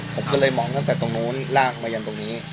ผมก็เลยมองตั้งแต่ตรงนู้นลากมายันตรงนี้